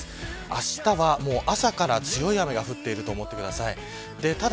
あしたは朝から強い雨が降っていると思ってください。